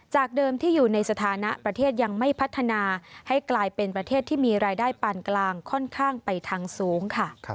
เดิมที่อยู่ในสถานะประเทศยังไม่พัฒนาให้กลายเป็นประเทศที่มีรายได้ปานกลางค่อนข้างไปทางสูงค่ะ